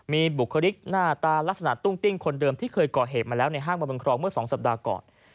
มีบุคลิกหน้าตาลักษณะตุ้งติ้งคนเดิมที่เคยก่อเหตุมาแล้วในห้างบึงครองเมื่อ๒สัปดาห์ก่อน